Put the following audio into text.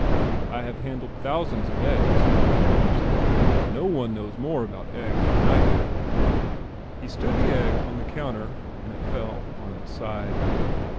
"I have handled thousands of eggs," father said. "No one knows more about eggs than I do." He stood the egg on the counter and it fell on its side.